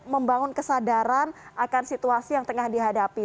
membangun kesadaran akan situasi yang tengah dihadapi